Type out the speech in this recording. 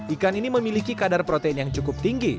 ikan ini memiliki kadar protein yang cukup tinggi